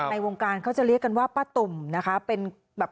ในวงการเขาจะเรียกกันว่าป้าตุ่มนะคะเป็นแบบ